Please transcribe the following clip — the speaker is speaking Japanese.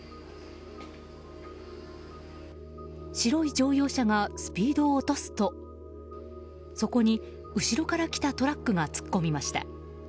白い乗用車がスピードを落とすとそこに後ろから来たトラックが突っ込みました。